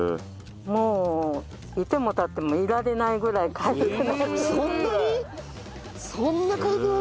もういてもたってもいられないぐらいかゆくなる。